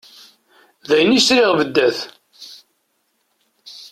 D ayen i sriɣ beddat.